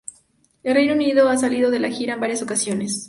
En Reino Unido ha salido de gira en varias ocasiones.